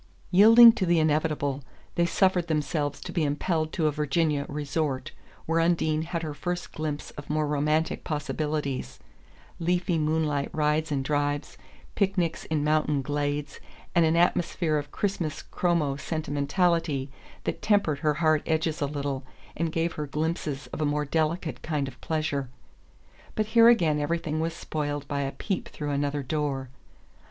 Yielding to the inevitable, they suffered themselves to be impelled to a Virginia "resort," where Undine had her first glimpse of more romantic possibilities leafy moonlight rides and drives, picnics in mountain glades, and an atmosphere of Christmas chromo sentimentality that tempered her hard edges a little, and gave her glimpses of a more delicate kind of pleasure. But here again everything was spoiled by a peep through another door.